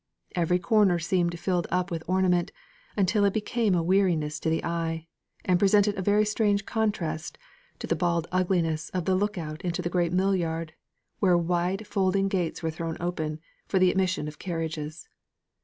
Every corner seemed filled up with ornament, until it became a weariness to the eye, and presented a strange contrast to the bald ugliness of the look out into the great mill yard, where wide folding gates were thrown open for the admission of carriages.